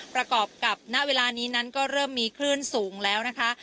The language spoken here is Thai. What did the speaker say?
ประกอบกับณเวลานี้นั้นก็เริ่มมีคลื่นสูงแล้วนะคะ